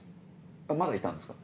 まだいたんですか？